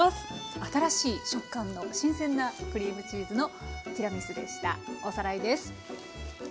新しい食感の新鮮なクリームチーズのティラミスでした。